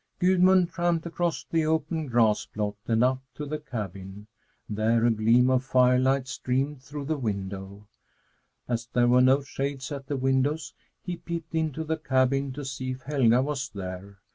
Gudmund tramped across the open grass plot and up to the cabin. There a gleam of firelight streamed through the window. As there were no shades at the windows, he peeped into the cabin to see if Helga was there.